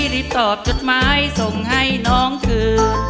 รีบตอบจดหมายส่งให้น้องคือ